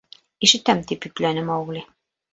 — Ишетәм, — тип йөпләне Маугли.